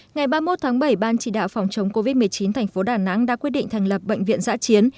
ngày ba mươi một tháng bảy ban chỉ đạo phòng chống covid một mươi chín thành phố đà nẵng đã quyết định thành lập bệnh viện giã chiến